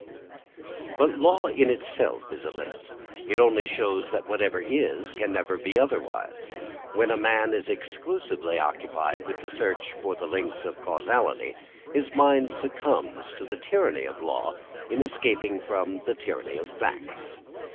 But law in itself is a limit. It only shows that whatever is can never be otherwise. When a man is exclusively occupied with the search for the links of causality, his mind succumbs to the tyranny of law in escaping from the tyranny of facts.